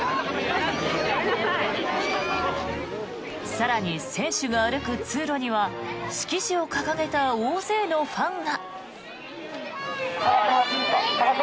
更に、選手が歩く通路には色紙を掲げた大勢のファンが。